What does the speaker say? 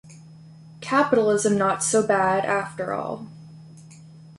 Capitalism not so bad, after all.